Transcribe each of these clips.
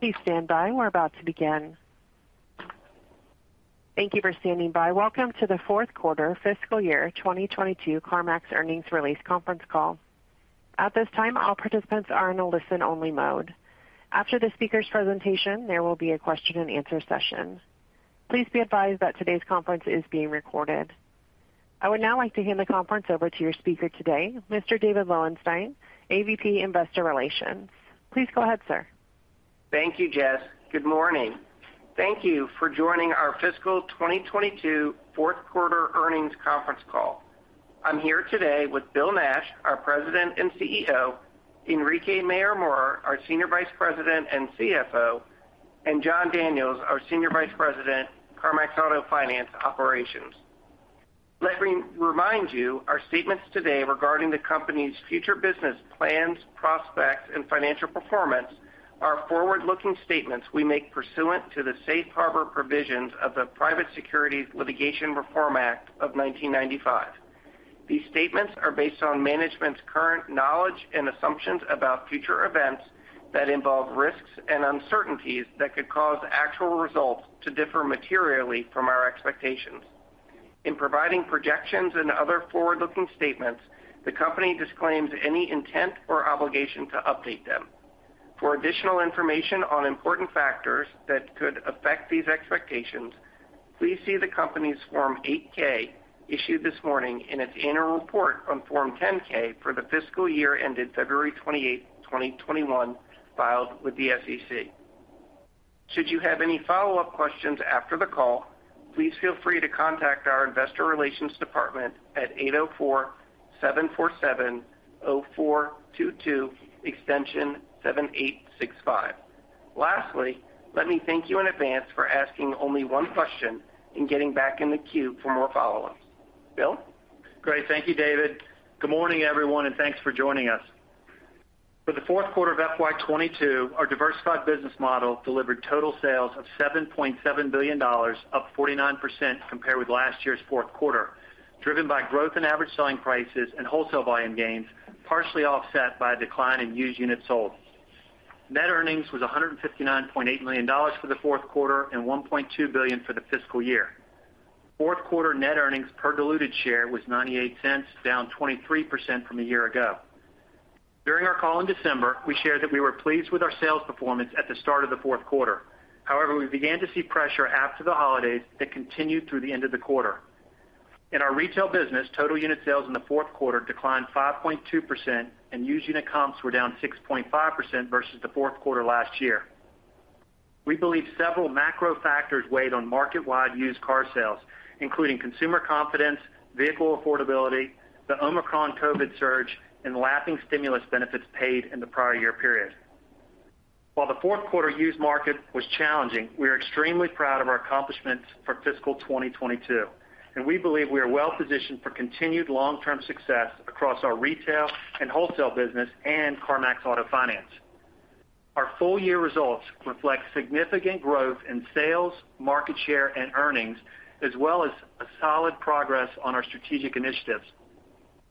Please stand by. We're about to begin. Thank you for standing by. Welcome to the Fourth Quarter Fiscal Year 2022 CarMax Earnings Release Conference Call. At this time, all participants are in a listen-only mode. After the speaker's presentation, there will be a question-and-answer session. Please be advised that today's conference is being recorded. I would now like to hand the conference over to your speaker today, Mr. David Lowenstein, AVP Investor Relations. Please go ahead, sir. Thank you, Jess. Good morning. Thank you for joining our Fiscal 2022 Fourth Quarter Earnings Conference Call. I'm here today with Bill Nash, our President and CEO, Enrique Mayor-Mora, our Senior Vice President and CFO, and Jon Daniels, our Senior Vice President, CarMax Auto Finance Operations. Let me remind you, our statements today regarding the company's future business plans, prospects, and financial performance are forward-looking statements we make pursuant to the Safe Harbor Provisions of the Private Securities Litigation Reform Act of 1995. These statements are based on management's current knowledge and assumptions about future events that involve risks and uncertainties that could cause actual results to differ materially from our expectations. In providing projections and other forward-looking statements, the company disclaims any intent or obligation to update them. For additional information on important factors that could affect these expectations, please see the company's Form 8-K issued this morning in its annual report on Form 10-K for the fiscal year ended February 28, 2021, filed with the SEC. Should you have any follow up questions after the call, please feel free to contact our investor relations department at 804-747-0422 extension 7865. Lastly, let me thank you in advance for asking only one question and getting back in the queue for more follow ups. Bill? Great. Thank you, David. Good morning, everyone, and thanks for joining us. For the fourth quarter of FY 2022, our diversified business model delivered total sales of $7.7 billion, up 49% compared with last year's fourth quarter, driven by growth in average selling prices and wholesale volume gains, partially offset by a decline in used units sold. Net earnings was $159.8 million for the fourth quarter and $1.2 billion for the fiscal year. Fourth quarter net earnings per diluted share was $0.98, down 23% from a year ago. During our call in December, we shared that we were pleased with our sales performance at the start of the fourth quarter. However, we began to see pressure after the holidays that continued through the end of the quarter. In our retail business, total unit sales in the fourth quarter declined 5.2%, and used unit comps were down 6.5% versus the fourth quarter last year. We believe several macro factors weighed on market-wide used car sales, including consumer confidence, vehicle affordability, the Omicron COVID surge, and lapping stimulus benefits paid in the prior year period. While the fourth quarter used market was challenging, we are extremely proud of our accomplishments for fiscal 2022, and we believe we are well-positioned for continued long-term success across our retail and wholesale business and CarMax Auto Finance. Our full-year results reflect significant growth in sales, market share, and earnings, as well as a solid progress on our strategic initiatives.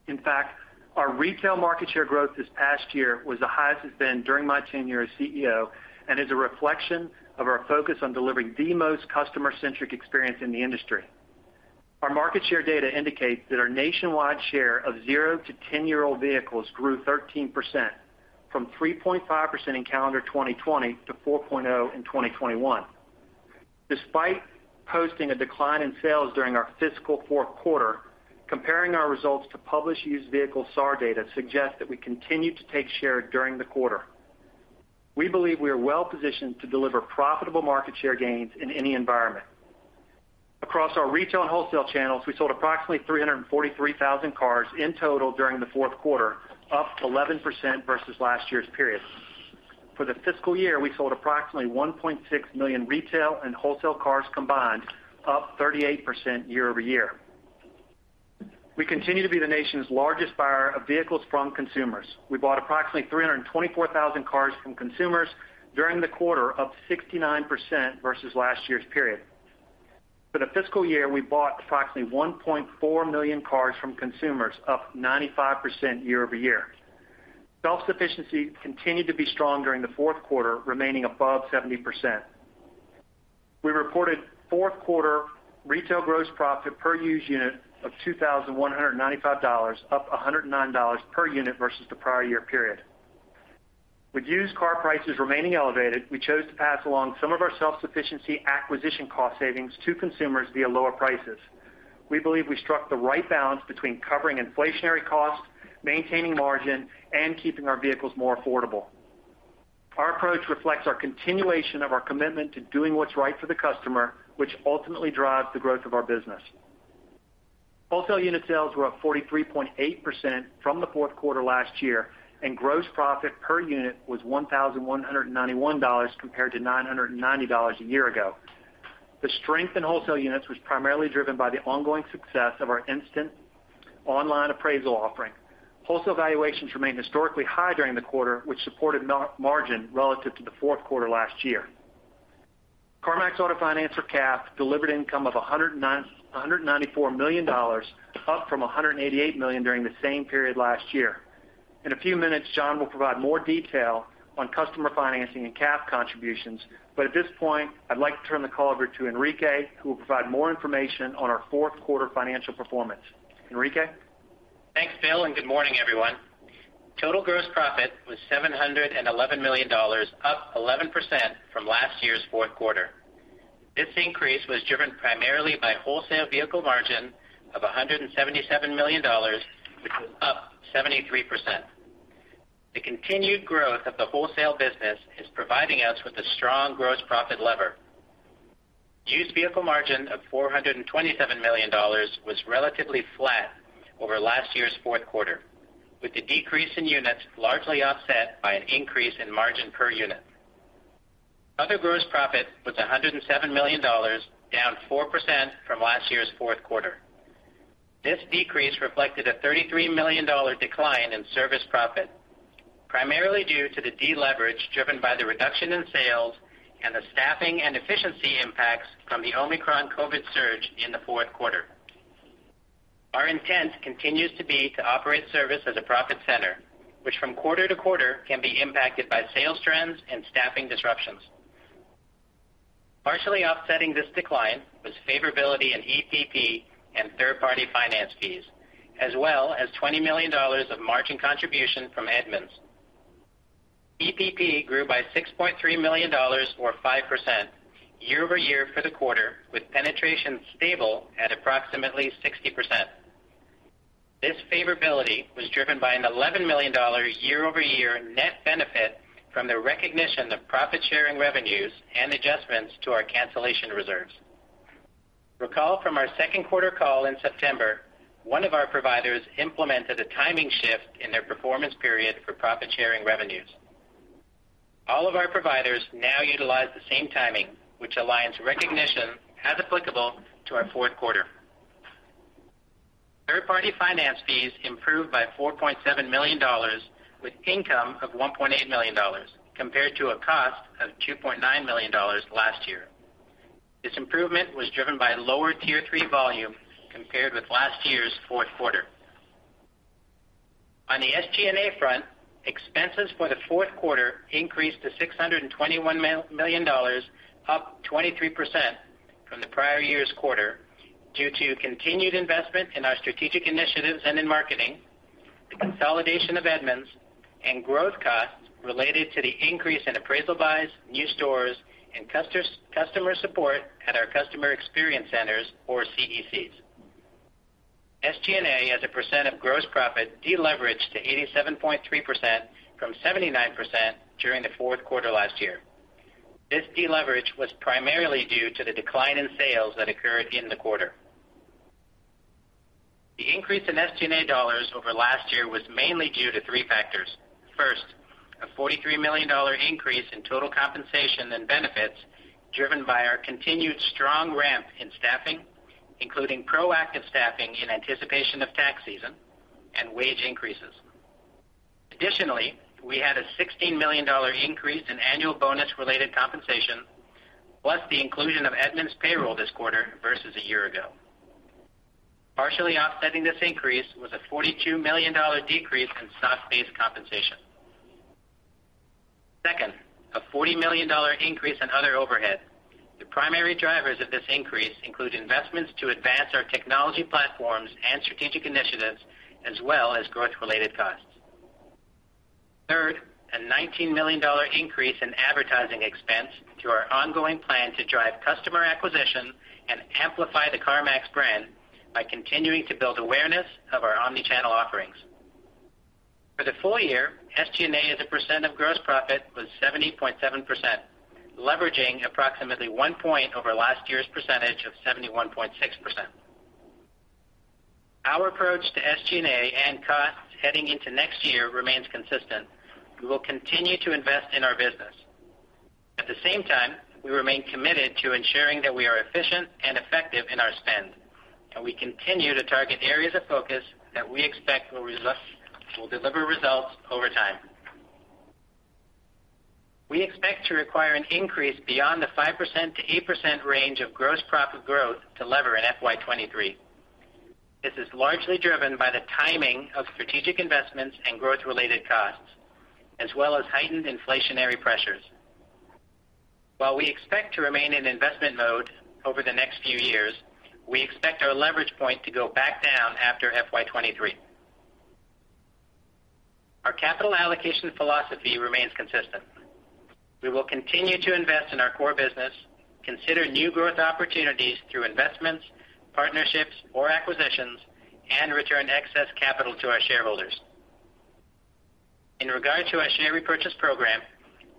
In fact, our retail market share growth this past year was the highest it's been during my tenure as CEO and is a reflection of our focus on delivering the most customer-centric experience in the industry. Our market share data indicates that our nationwide share of 0- to 10-year-old vehicles grew 13% from 3.5% in calendar 2020 to 4.0% in 2021. Despite posting a decline in sales during our fiscal fourth quarter, comparing our results to published used vehicle SAR data suggests that we continued to take share during the quarter. We believe we are well-positioned to deliver profitable market share gains in any environment. Across our retail and wholesale channels, we sold approximately 343,000 cars in total during the fourth quarter, up 11% versus last year's period. For the fiscal year, we sold approximately 1.6 million retail and wholesale cars combined, up 38% year-over-year. We continue to be the nation's largest buyer of vehicles from consumers. We bought approximately 324,000 cars from consumers during the quarter, up 69% versus last year's period. For the fiscal year, we bought approximately 1.4 million cars from consumers, up 95% year-over-year. Self-sufficiency continued to be strong during the fourth quarter, remaining above 70%. We reported fourth quarter retail gross profit per used unit of $2,195, up $109 per unit versus the prior year period. With used car prices remaining elevated, we chose to pass along some of our self-sufficiency acquisition cost savings to consumers via lower prices. We believe we struck the right balance between covering inflationary costs, maintaining margin, and keeping our vehicles more affordable. Our approach reflects our continuation of our commitment to doing what's right for the customer, which ultimately drives the growth of our business. Wholesale unit sales were up 43.8% from the fourth quarter last year, and gross profit per unit was $1,191 compared to $990 a year ago. The strength in wholesale units was primarily driven by the ongoing success of our instant online appraisal offering. Wholesale valuations remained historically high during the quarter, which supported margin relative to the fourth quarter last year. CarMax Auto Finance or CAF delivered income of $194 million, up from $188 million during the same period last year. In a few minutes, Jon will provide more detail on customer financing and CAF contributions. At this point, I'd like to turn the call over to Enrique, who will provide more information on our fourth quarter financial performance. Enrique? Thanks, Bill, and good morning, everyone. Total gross profit was $711 million, up 11% from last year's fourth quarter. This increase was driven primarily by wholesale vehicle margin of $177 million, which was up 73%. The continued growth of the wholesale business is providing us with a strong gross profit lever. Used vehicle margin of $427 million was relatively flat over last year's fourth quarter, with the decrease in units largely offset by an increase in margin per unit. Other gross profit was $107 million, down 4% from last year's fourth quarter. This decrease reflected a $33 million decline in service profit, primarily due to the deleverage driven by the reduction in sales and the staffing and efficiency impacts from the Omicron COVID surge in the fourth quarter. Our intent continues to be to operate service as a profit center, which from quarter to quarter can be impacted by sales trends and staffing disruptions. Partially offsetting this decline was favorability in EPP and third-party finance fees, as well as $20 million of margin contribution from Edmunds. EPP grew by $6.3 million or 5% year-over-year for the quarter, with penetration stable at approximately 60%. This favorability was driven by an $11 million year-over-year net benefit from the recognition of profit-sharing revenues and adjustments to our cancellation reserves. Recall from our second quarter call in September, one of our providers implemented a timing shift in their performance period for profit-sharing revenues. All of our providers now utilize the same timing, which aligns recognition as applicable to our fourth quarter. Third-party finance fees improved by $4.7 million, with income of $1.8 million compared to a cost of $2.9 million last year. This improvement was driven by lower tier three volume compared with last year's fourth quarter. On the SG&A front, expenses for the fourth quarter increased to $621 million, up 23% from the prior year's quarter due to continued investment in our strategic initiatives and in marketing, the consolidation of Edmunds and growth costs related to the increase in appraisal buys, new stores and customer support at our customer experience centers or CECs. SG&A as a percent of gross profit deleveraged to 87.3% from 79% during the fourth quarter last year. This deleverage was primarily due to the decline in sales that occurred in the quarter. The increase in SG&A dollars over last year was mainly due to three factors. First, a $43 million increase in total compensation and benefits driven by our continued strong ramp in staffing, including proactive staffing in anticipation of tax season and wage increases. Additionally, we had a $16 million increase in annual bonus-related compensation, plus the inclusion of Edmunds payroll this quarter versus a year ago. Partially offsetting this increase was a $42 million decrease in stock-based compensation. Second, a $40 million increase in other overhead. The primary drivers of this increase include investments to advance our technology platforms and strategic initiatives as well as growth-related costs. Third, a $19 million increase in advertising expense through our ongoing plan to drive customer acquisition and amplify the CarMax brand by continuing to build awareness of our omni-channel offerings. For the full year, SG&A as a percent of gross profit was 70.7%, leveraging approximately 1% over last year's percentage of 71.6%. Our approach to SG&A and costs heading into next year remains consistent. We will continue to invest in our business. At the same time, we remain committed to ensuring that we are efficient and effective in our spend, and we continue to target areas of focus that we expect will deliver results over time. We expect to require an increase beyond the 5%-8% range of gross profit growth to lever in FY 2023. This is largely driven by the timing of strategic investments and growth-related costs, as well as heightened inflationary pressures. While we expect to remain in investment mode over the next few years, we expect our leverage point to go back down after FY 2023. Our capital allocation philosophy remains consistent. We will continue to invest in our core business, consider new growth opportunities through investments, partnerships or acquisitions, and return excess capital to our shareholders. In regard to our share repurchase program,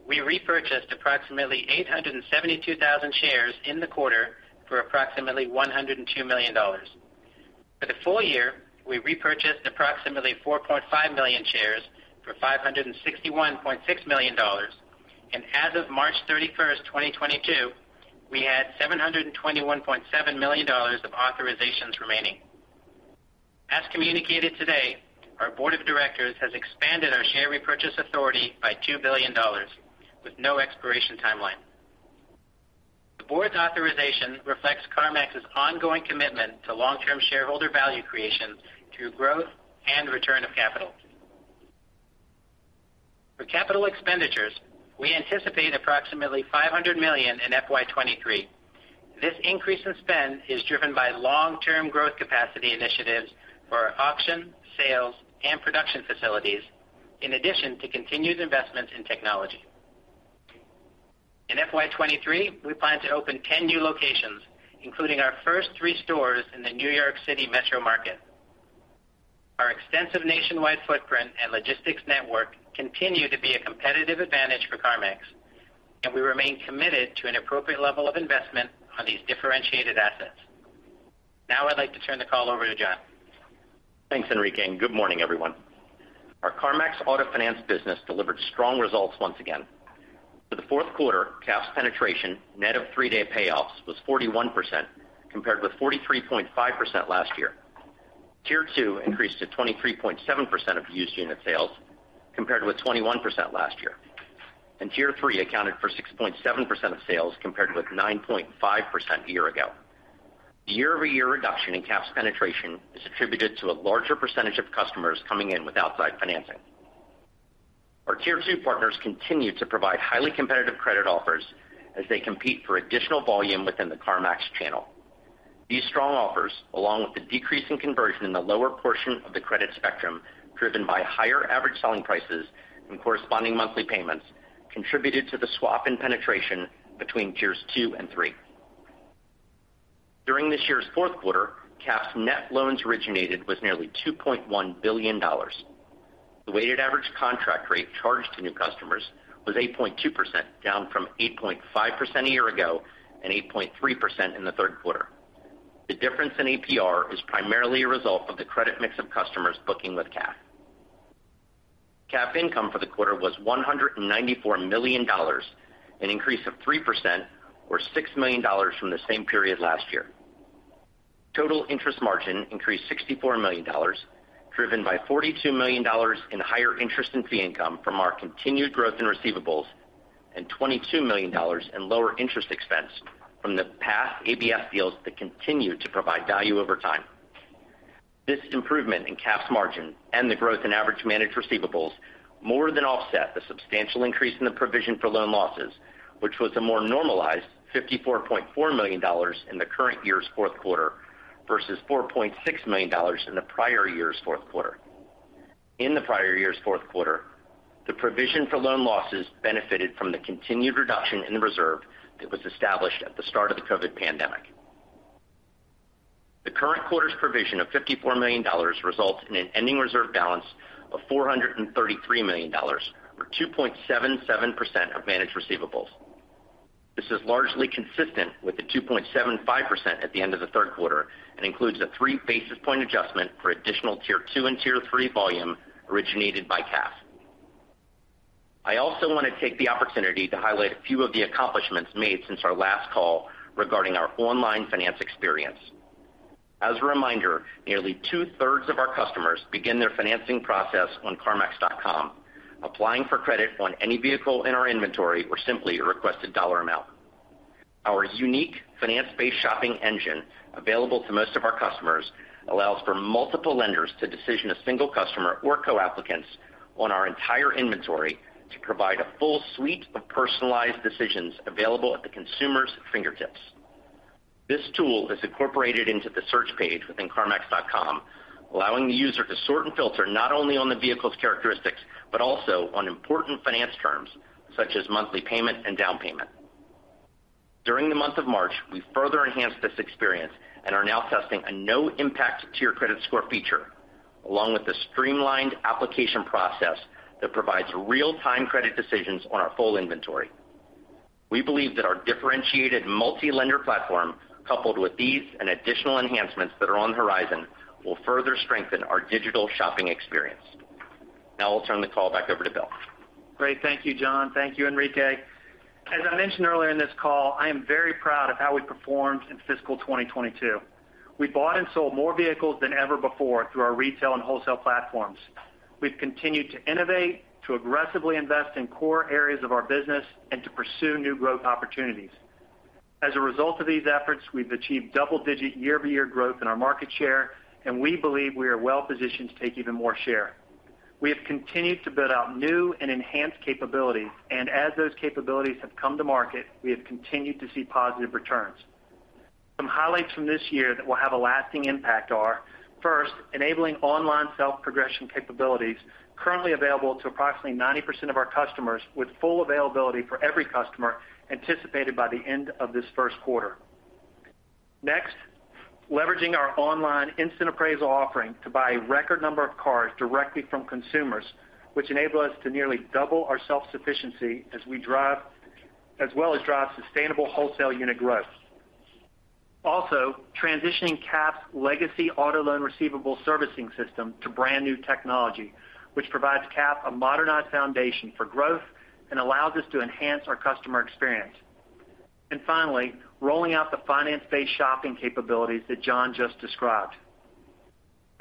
we repurchased approximately 872,000 shares in the quarter for approximately $102 million. For the full year, we repurchased approximately 4.5 million shares for $561.6 million. As of March 31, 2022, we had $721.7 million of authorizations remaining. As communicated today, our board of directors has expanded our share repurchase authority by $2 billion with no expiration timeline. The board's authorization reflects CarMax's ongoing commitment to long-term shareholder value creation through growth and return of capital. For capital expenditures, we anticipate approximately $500 million in FY 2023. This increase in spend is driven by long-term growth capacity initiatives for our auction, sales, and production facilities, in addition to continued investments in technology. In FY 2023, we plan to open 10 new locations, including our first three stores in the New York City metro market. Our extensive nationwide footprint and logistics network continue to be a competitive advantage for CarMax, and we remain committed to an appropriate level of investment on these differentiated assets. Now I'd like to turn the call over to Jon. Thanks, Enrique, and good morning, everyone. Our CarMax Auto Finance business delivered strong results once again. For the fourth quarter, CAF's penetration net of three-day payoffs was 41% compared with 43.5% last year. Tier two increased to 23.7% of used unit sales compared with 21% last year. Tier three accounted for 6.7% of sales compared with 9.5% a year ago. The year-over-year reduction in CAF's penetration is attributed to a larger percentage of customers coming in with outside financing. Our tier two partners continue to provide highly competitive credit offers as they compete for additional volume within the CarMax channel. These strong offers, along with the decrease in conversion in the lower portion of the credit spectrum, driven by higher average selling prices and corresponding monthly payments, contributed to the swap in penetration between tiers 2 and 3. During this year's fourth quarter, CAF's net loans originated was nearly $2.1 billion. The weighted average contract rate charged to new customers was 8.2%, down from 8.5% a year ago and 8.3% in the third quarter. The difference in APR is primarily a result of the credit mix of customers booking with CAF. CAF income for the quarter was $194 million, an increase of 3% or $6 million from the same period last year. Total interest margin increased $64 million, driven by $42 million in higher interest and fee income from our continued growth in receivables and $22 million in lower interest expense from the past ABS deals that continue to provide value over time. This improvement in CAF's margin and the growth in average managed receivables more than offset the substantial increase in the provision for loan losses, which was a more normalized $54.4 million in the current year's fourth quarter versus $4.6 million in the prior year's fourth quarter. In the prior year's fourth quarter, the provision for loan losses benefited from the continued reduction in the reserve that was established at the start of the COVID pandemic. The current quarter's provision of $54 million results in an ending reserve balance of $433 million, or 2.77% of managed receivables. This is largely consistent with the 2.75% at the end of the third quarter and includes a 3 basis point adjustment for additional tier two and tier three volume originated by CAF. I also want to take the opportunity to highlight a few of the accomplishments made since our last call regarding our online finance experience. As a reminder, nearly two-thirds of our customers begin their financing process on carmax.com, applying for credit on any vehicle in our inventory or simply a requested dollar amount. Our unique finance-based shopping engine available to most of our customers allows for multiple lenders to decision a single customer or co-applicants on our entire inventory to provide a full suite of personalized decisions available at the consumer's fingertips. This tool is incorporated into the search page within carmax.com, allowing the user to sort and filter not only on the vehicle's characteristics, but also on important finance terms such as monthly payment and down payment. During the month of March, we further enhanced this experience and are now testing a no impact to your credit score feature, along with the streamlined application process that provides real-time credit decisions on our full inventory. We believe that our differentiated multi-lender platform, coupled with these and additional enhancements that are on the horizon, will further strengthen our digital shopping experience. Now I'll turn the call back over to Bill. Great. Thank you, John. Thank you, Enrique. As I mentioned earlier in this call, I am very proud of how we performed in fiscal 2022. We bought and sold more vehicles than ever before through our retail and wholesale platforms. We've continued to innovate, to aggressively invest in core areas of our business, and to pursue new growth opportunities. As a result of these efforts, we've achieved double-digit year-over-year growth in our market share, and we believe we are well-positioned to take even more share. We have continued to build out new and enhanced capabilities, and as those capabilities have come to market, we have continued to see positive returns. Some highlights from this year that will have a lasting impact are, first, enabling online self-progression capabilities currently available to approximately 90% of our customers with full availability for every customer anticipated by the end of this first quarter. Next, leveraging our online instant appraisal offering to buy a record number of cars directly from consumers, which enable us to nearly double our self-sufficiency as well as drive sustainable wholesale unit growth. Also, transitioning CAF's legacy auto loan receivable servicing system to brand-new technology, which provides CAF a modernized foundation for growth and allows us to enhance our customer experience. Finally, rolling out the finance-based shopping capabilities that John just described.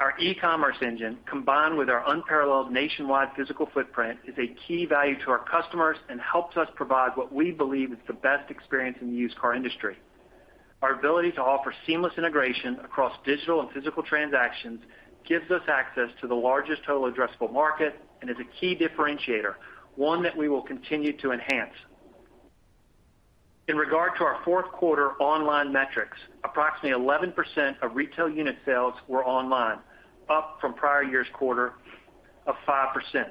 Our e-commerce engine, combined with our unparalleled nationwide physical footprint, is a key value to our customers and helps us provide what we believe is the best experience in the used car industry. Our ability to offer seamless integration across digital and physical transactions gives us access to the largest total addressable market and is a key differentiator, one that we will continue to enhance. In regard to our fourth quarter online metrics, approximately 11% of retail unit sales were online, up from prior year's quarter of 5%.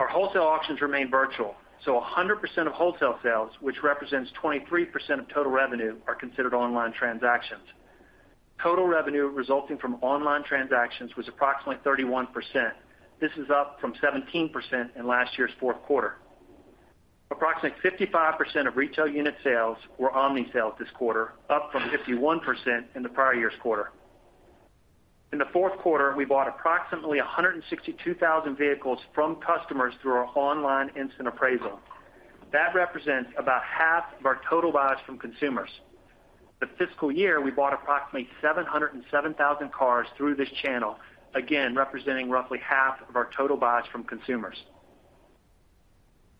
Our wholesale auctions remain virtual, so 100% of wholesale sales, which represents 23% of total revenue, are considered online transactions. Total revenue resulting from online transactions was approximately 31%. This is up from 17% in last year's fourth quarter. Approximately 55% of retail unit sales were omni-sales this quarter, up from 51% in the prior year's quarter. In the fourth quarter, we bought approximately 162,000 vehicles from customers through our online instant appraisal. That represents about half of our total buys from consumers. The fiscal year, we bought approximately 707,000 cars through this channel, again, representing roughly half of our total buys from consumers.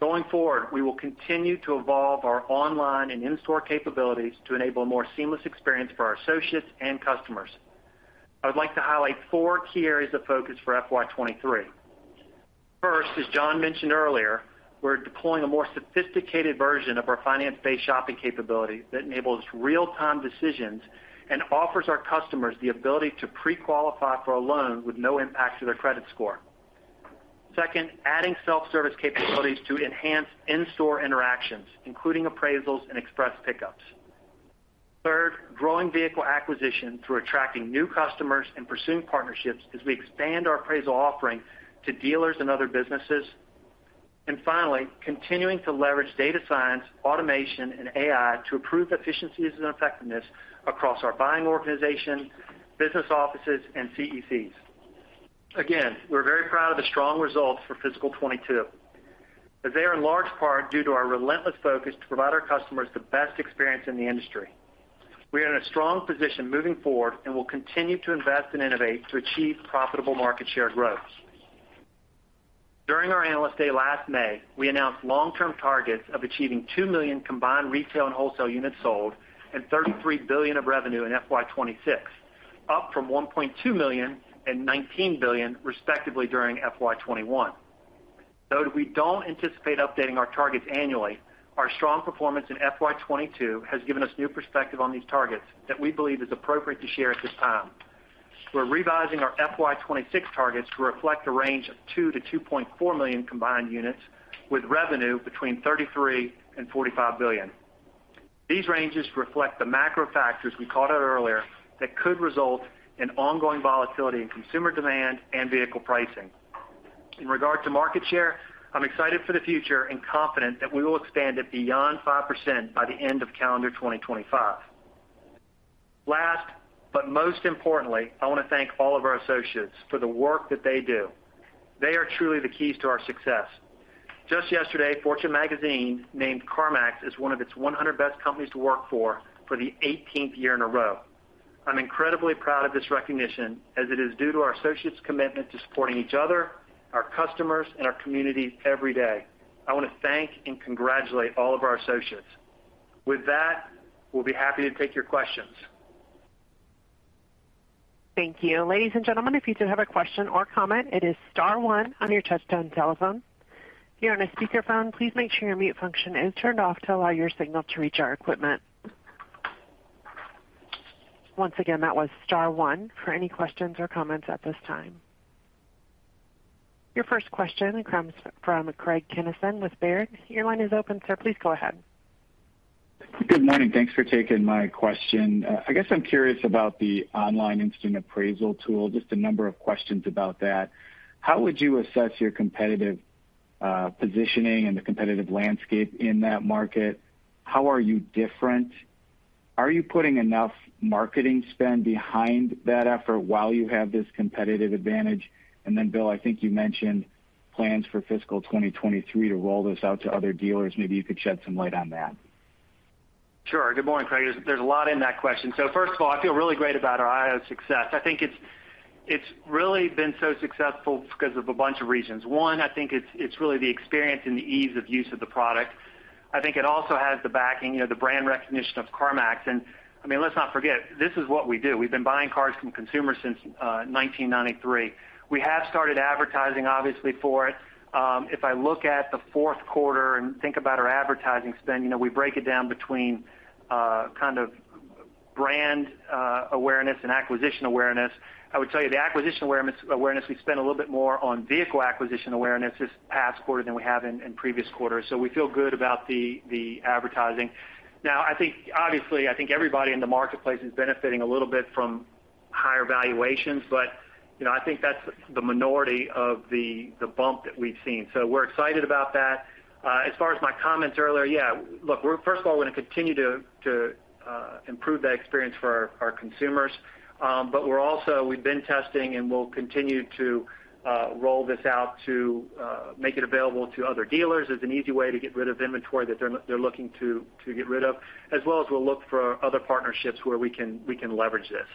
Going forward, we will continue to evolve our online and in-store capabilities to enable a more seamless experience for our associates and customers. I would like to highlight four key areas of focus for FY 2023. First, as John mentioned earlier, we're deploying a more sophisticated version of our finance-based shopping capability that enables real-time decisions and offers our customers the ability to pre-qualify for a loan with no impact to their credit score. Second, adding self-service capabilities to enhance in-store interactions, including appraisals and express pickups. Third, growing vehicle acquisition through attracting new customers and pursuing partnerships as we expand our appraisal offering to dealers and other businesses. Finally, continuing to leverage data science, automation, and AI to improve efficiencies and effectiveness across our buying organization, business offices, and CECs. Again, we're very proud of the strong results for fiscal 2022, as they are in large part due to our relentless focus to provide our customers the best experience in the industry. We are in a strong position moving forward, and we'll continue to invest and innovate to achieve profitable market share growth. During our Analyst Day last May, we announced long-term targets of achieving 2 million combined retail and wholesale units sold and $33 billion of revenue in FY 2026, up from 1.2 million and $19 billion respectively during FY 2021. Though we don't anticipate updating our targets annually, our strong performance in FY 2022 has given us new perspective on these targets that we believe is appropriate to share at this time. We're revising our FY 2026 targets to reflect a range of 2 million-2.4 million combined units with revenue between $33 million-$45 billion. These ranges reflect the macro factors we called out earlier that could result in ongoing volatility in consumer demand and vehicle pricing. In regard to market share, I'm excited for the future and confident that we will expand it beyond 5% by the end of calendar 2025. Last, but most importantly, I want to thank all of our associates for the work that they do. They are truly the keys to our success. Just yesterday, Fortune magazine named CarMax as one of its 100 Best Companies to Work For, for the eighteenth year in a row. I'm incredibly proud of this recognition, as it is due to our associates' commitment to supporting each other, our customers, and our community every day. I want to thank and congratulate all of our associates. With that, we'll be happy to take your questions. Thank you. Ladies and gentlemen, if you do have a question or comment, it is star one on your touchtone telephone. If you're on a speakerphone, please make sure your mute function is turned off to allow your signal to reach our equipment. Once again, that was star one for any questions or comments at this time. Your first question comes from Craig Kennison with Baird. Your line is open, sir. Please go ahead. Good morning. Thanks for taking my question. I guess I'm curious about the online instant appraisal tool, just a number of questions about that. How would you assess your competitive positioning and the competitive landscape in that market? How are you different? Are you putting enough marketing spend behind that effort while you have this competitive advantage? Bill, I think you mentioned plans for fiscal 2023 to roll those out to other dealers. Maybe you could shed some light on that. Sure. Good morning, Craig. There's a lot in that question. First of all, I feel really great about our IO success. I think it's really been so successful because of a bunch of reasons. One, I think it's really the experience and the ease of use of the product. I think it also has the backing, you know, the brand recognition of CarMax. I mean, let's not forget, this is what we do. We've been buying cars from consumers since 1993. We have started advertising obviously for it. If I look at the fourth quarter and think about our advertising spend, you know, we break it down between kind of brand awareness and acquisition awareness. I would tell you the acquisition awareness. We spend a little bit more on vehicle acquisition awareness this past quarter than we have in previous quarters. We feel good about the advertising. Now, I think obviously, I think everybody in the marketplace is benefiting a little bit from higher valuations, but you know, I think that's the minority of the bump that we've seen. We're excited about that. As far as my comments earlier, yeah. Look, we're first of all going to continue to improve that experience for our consumers. We've been testing and we'll continue to roll this out to make it available to other dealers as an easy way to get rid of inventory that they're looking to get rid of, as well as we'll look for other partnerships where we can leverage this.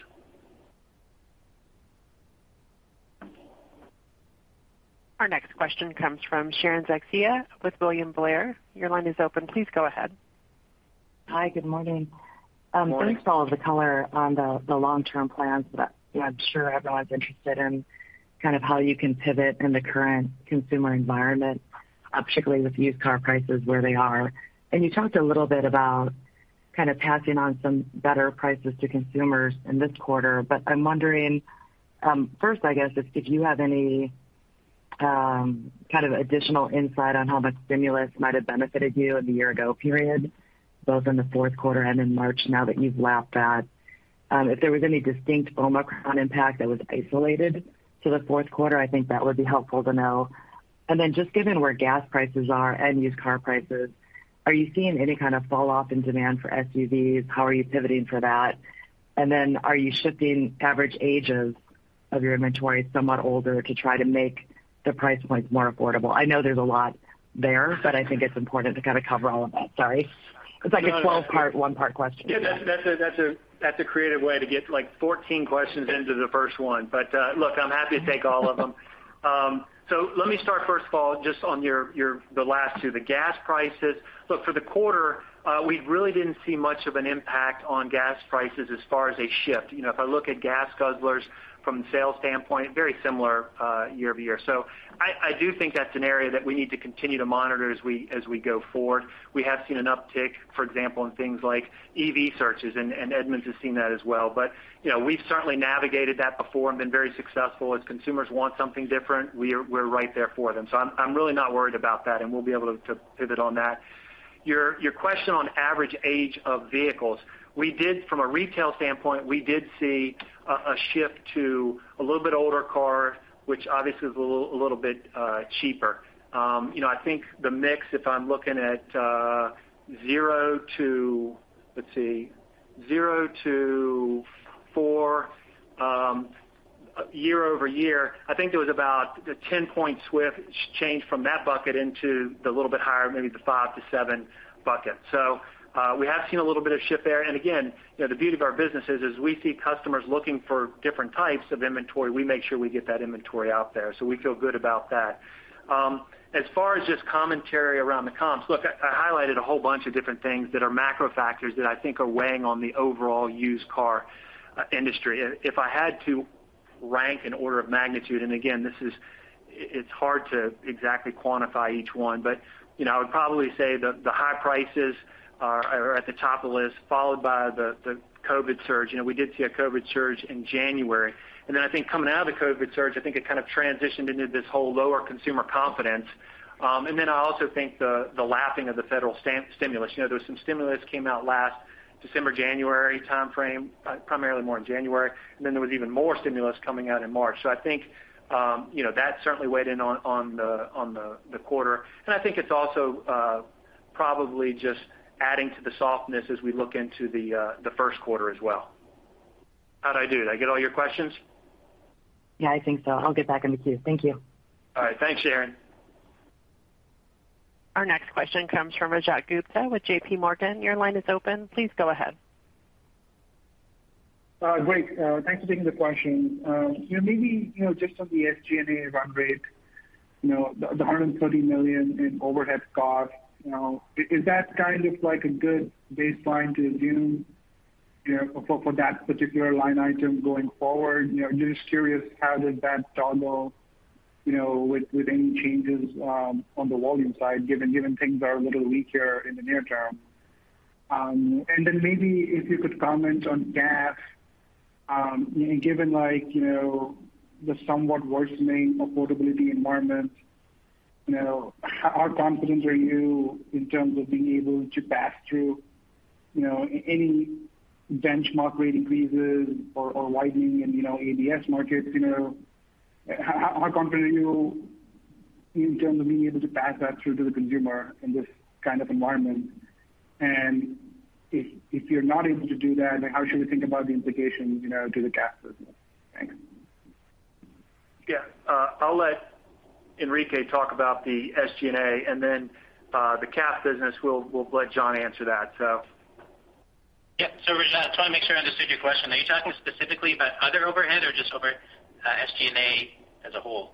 Our next question comes from Sharon Zackfia with William Blair. Your line is open. Please go ahead. Hi, good morning. Morning. Thanks for all of the color on the long-term plans that I'm sure everyone's interested in, kind of how you can pivot in the current consumer environment, particularly with used car prices where they are. You talked a little bit about kind of passing on some better prices to consumers in this quarter. I'm wondering, first, I guess, is did you have any kind of additional insight on how much stimulus might have benefited you in the year ago period, both in the fourth quarter and in March now that you've lapped that? If there was any distinct Omicron impact that was isolated to the fourth quarter, I think that would be helpful to know. Then just given where gas prices are and used car prices, are you seeing any kind of falloff in demand for SUVs? How are you pivoting for that? Are you shifting average ages of your inventory somewhat older to try to make the price points more affordable? I know there's a lot there, but I think it's important to kinda cover all of that. Sorry. It's like a 12-part, one-part question. Yeah, that's a creative way to get, like, 14 questions into the first one. Look, I'm happy to take all of them. Let me start first of all, just on your last two, the gas prices. Look, for the quarter, we really didn't see much of an impact on gas prices as far as a shift. You know, if I look at gas guzzlers from the sales standpoint, very similar year-over-year. I do think that's an area that we need to continue to monitor as we go forward. We have seen an uptick, for example, in things like EV searches, and Edmunds has seen that as well. You know, we've certainly navigated that before and been very successful. As consumers want something different, we're right there for them. I'm really not worried about that, and we'll be able to pivot on that. Your question on average age of vehicles. From a retail standpoint, we did see a shift to a little bit older car, which obviously is a little bit cheaper. You know, I think the mix, if I'm looking at 0-4 year-over-year, I think there was about a 10-point shift change from that bucket into the little bit higher, maybe the 5-7 bucket. We have seen a little bit of shift there. Again, you know, the beauty of our business is, as we see customers looking for different types of inventory, we make sure we get that inventory out there. We feel good about that. As far as just commentary around the comps, look, I highlighted a whole bunch of different things that are macro factors that I think are weighing on the overall used car industry. If I had to rank an order of magnitude, and again, it's hard to exactly quantify each one, but you know, I would probably say the high prices are at the top of the list, followed by the COVID surge. You know, we did see a COVID surge in January. Then I think coming out of the COVID surge, I think it kind of transitioned into this whole lower consumer confidence, and then I also think the lapping of the federal stimulus. You know, there was some stimulus came out last December-January timeframe, primarily more in January, and then there was even more stimulus coming out in March. I think, you know, that certainly weighed in on the quarter. I think it's also probably just adding to the softness as we look into the first quarter as well. How'd I do? Did I get all your questions? Yeah, I think so. I'll get back in the queue. Thank you. All right. Thanks, Sharon. Our next question comes from Rajat Gupta with JPMorgan. Your line is open. Please go ahead. Great. Thanks for taking the question. You know, maybe, you know, just on the SG&A run rate, you know, the $130 million in overhead costs, you know, is that kind of like a good baseline to assume, you know, for that particular line item going forward? You know, just curious, how does that toggle, you know, with any changes on the volume side, given things are a little weaker in the near term? And then maybe if you could comment on CAF, given like, you know, the somewhat worsening affordability environment, you know, how confident are you in terms of being able to pass through, you know, any benchmark rate increases or widening in, you know, ABS markets? You know, how confident are you in terms of being able to pass that through to the consumer in this kind of environment? If you're not able to do that, then how should we think about the implications, you know, to the CAF business? Thanks. Yeah. I'll let Enrique talk about the SG&A and then the CAF business. We'll let Jon answer that. Yeah. Rajat, I just wanna make sure I understood your question. Are you talking specifically about other overhead or just over, SG&A as a whole?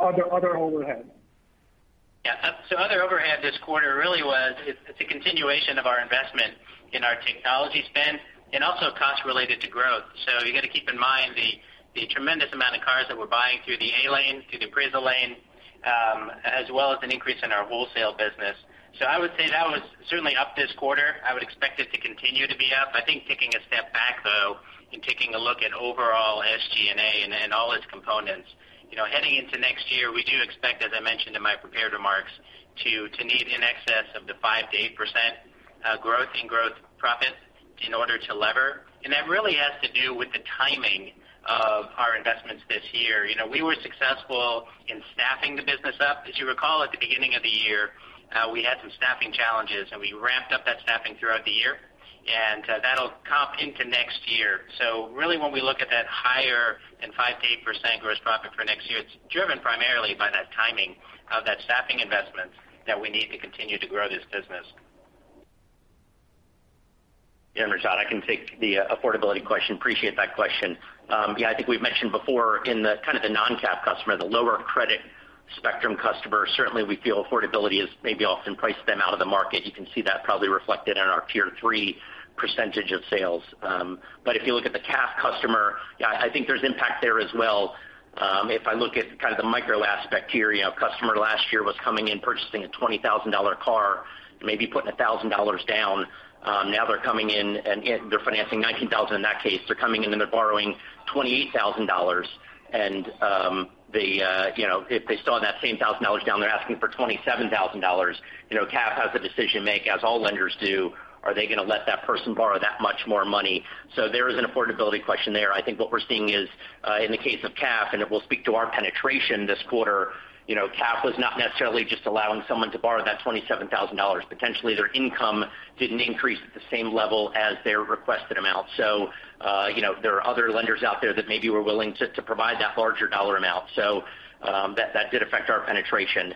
Other overhead. Yeah. Other overhead this quarter really was—it's a continuation of our investment in our technology spend and also costs related to growth. You gotta keep in mind the tremendous amount of cars that we're buying through the appraisal lane, as well as an increase in our wholesale business. I would say that was certainly up this quarter. I would expect it to continue to be up. I think taking a step back, though, and taking a look at overall SG&A and all its components, you know, heading into next year, we do expect, as I mentioned in my prepared remarks, to need in excess of the 5%-8% growth in growth profits. That really has to do with the timing of our investments this year. You know, we were successful in staffing the business up. As you recall, at the beginning of the year, we had some staffing challenges, and we ramped up that staffing throughout the year, and that'll comp into next year. Really when we look at that higher than 5%-8% gross profit for next year, it's driven primarily by that timing of that staffing investment that we need to continue to grow this business. Yeah, Rajat, I can take the affordability question. Appreciate that question. Yeah, I think we've mentioned before in the kind of the non-CAF customer, the lower credit spectrum customer, certainly we feel affordability has maybe often priced them out of the market. You can see that probably reflected in our Tier 3 percentage of sales. But if you look at the CAF customer, yeah, I think there's impact there as well. If I look at kind of the micro aspect here, you know, a customer last year was coming in purchasing a $20,000 car and maybe putting a $1,000 down. Now they're coming in and they're financing $19,000. In that case, they're coming in and they're borrowing $28,000. They, you know, if they still have that same $1,000 down, they're asking for $27,000. You know, CAF has a decision to make, as all lenders do. Are they gonna let that person borrow that much more money? There is an affordability question there. I think what we're seeing is, in the case of CAF, and it will speak to our penetration this quarter, you know, CAF was not necessarily just allowing someone to borrow that $27,000. Potentially, their income didn't increase at the same level as their requested amount. You know, there are other lenders out there that maybe were willing to provide that larger dollar amount. That did affect our penetration.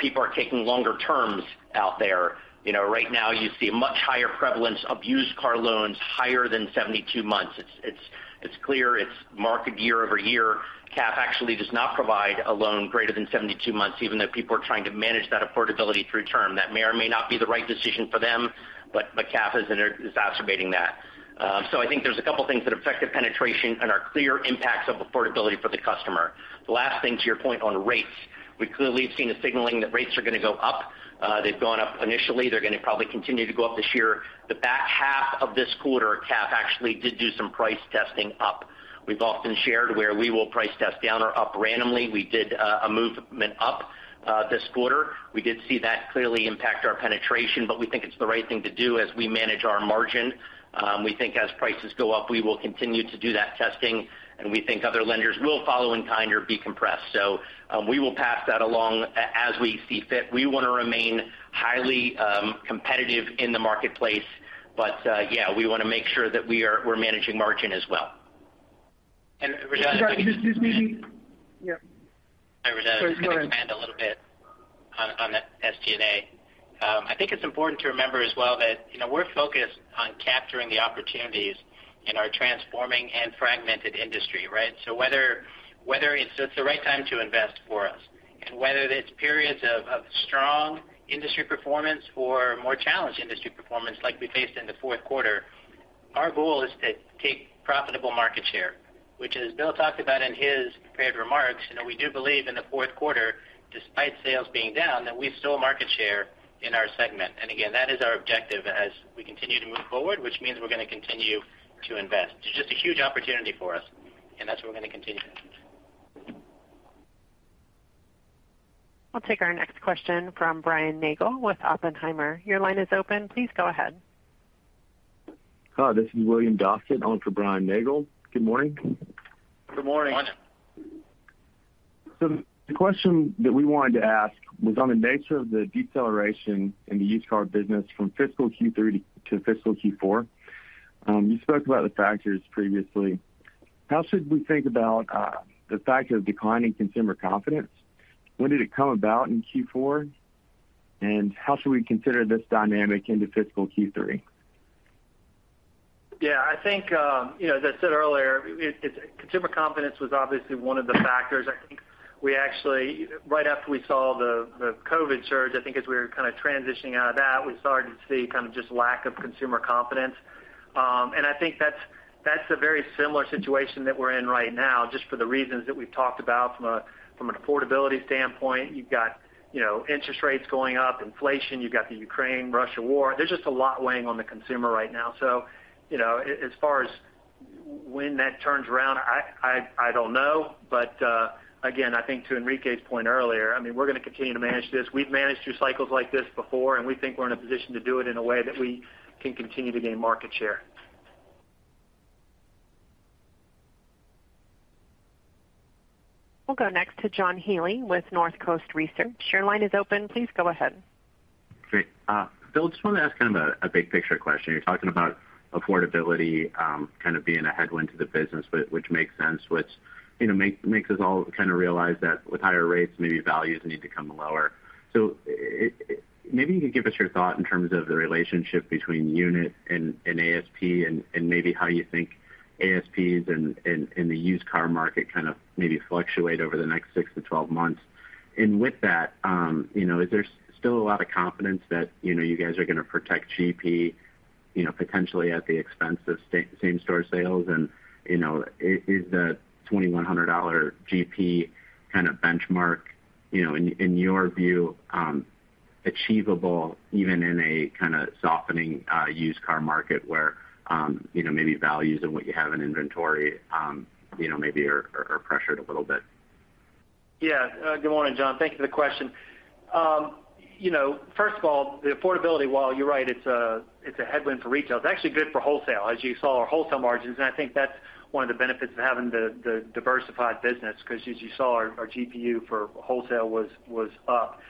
People are taking longer terms out there. You know, right now you see a much higher prevalence of used car loans higher than 72 months. It's clear it's marked year-over-year. CAF actually does not provide a loan greater than 72 months, even though people are trying to manage that affordability through term. That may or may not be the right decision for them, but CAF is exacerbating that. I think there's a couple things that affected penetration and are clear impacts of affordability for the customer. The last thing to your point on rates, we clearly have seen a signaling that rates are gonna go up. They've gone up initially. They're gonna probably continue to go up this year. The back half of this quarter, CAF actually did some price testing up. We've often shared where we will price test down or up randomly. We did a movement up this quarter. We did see that clearly impact our penetration, but we think it's the right thing to do as we manage our margin. We think as prices go up, we will continue to do that testing, and we think other lenders will follow in kind or be compressed. We will pass that along as we see fit. We wanna remain highly competitive in the marketplace, but yeah, we wanna make sure that we are managing margin as well. Rajat, if I can Sorry, who's speaking? Yeah. Hi, Rajat. Sorry, go ahead. I'm gonna expand a little bit on that SG&A. I think it's important to remember as well that, you know, we're focused on capturing the opportunities in our transforming and fragmented industry, right? So whether it's the right time to invest for us and whether it's periods of strong industry performance or more challenged industry performance like we faced in the fourth quarter, our goal is to take profitable market share, which as Bill talked about in his prepared remarks, you know, we do believe in the fourth quarter, despite sales being down, that we stole market share in our segment. Again, that is our objective as we continue to move forward, which means we're gonna continue to invest. There's just a huge opportunity for us, and that's what we're gonna continue. I'll take our next question from Brian Nagel with Oppenheimer. Your line is open. Please go ahead. Hi, this is William Dawson on for Brian Nagel. Good morning. Good morning. Morning. The question that we wanted to ask was on the nature of the deceleration in the used car business from fiscal Q3 to fiscal Q4. You spoke about the factors previously. How should we think about the fact of declining consumer confidence? When did it come about in Q4, and how should we consider this dynamic into fiscal Q3? Yeah, I think, you know, as I said earlier, it, consumer confidence was obviously one of the factors. I think we actually, right after we saw the COVID surge, I think as we were kinda transitioning out of that, we started to see kind of just lack of consumer confidence. And I think that's a very similar situation that we're in right now, just for the reasons that we've talked about from a, from an affordability standpoint. You've got, you know, interest rates going up, inflation. You've got the Ukraine-Russia war. There's just a lot weighing on the consumer right now. So, you know, as far as when that turns around, I don't know. But again, I think to Enrique's point earlier, I mean, we're gonna continue to manage this. We've managed through cycles like this before, and we think we're in a position to do it in a way that we can continue to gain market share. We'll go next to John Healy with Northcoast Research. Your line is open. Please go ahead. Great. Bill, just wanted to ask kind of a big picture question. You're talking about affordability, kind of being a headwind to the business, but which makes sense, you know, makes us all kinda realize that with higher rates, maybe values need to come lower. Maybe you could give us your thought in terms of the relationship between unit and ASP and maybe how you think ASPs in the used car market kind of maybe fluctuate over the next six to 12 months. With that, you know, is there still a lot of confidence that, you know, you guys are gonna protect GP, you know, potentially at the expense of same-store sales? You know, is the $2,100 GP kind of benchmark, you know, in your view, achievable even in a kinda softening used car market where, you know, maybe values and what you have in inventory, maybe are pressured a little bit? Good morning, John. Thank you for the question. You know, first of all, the affordability, while you're right, it's a headwind for retail, it's actually good for wholesale, as you saw our wholesale margins, and I think that's one of the benefits of having the diversified business 'cause as you saw our GPU for wholesale was up.